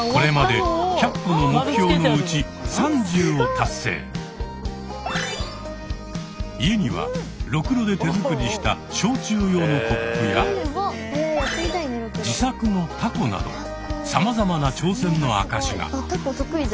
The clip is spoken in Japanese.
これまで家にはろくろで手作りした焼酎用のコップや自作のたこなどさまざまな挑戦の証しが。